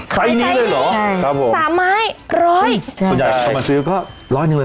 ใครนี้เลยเหรอครับผมสามไม้ร้อยส่วนใหญ่มาซื้อก็ร้อยเงินเลย